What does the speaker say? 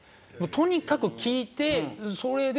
とにかく聞いてそれでもう。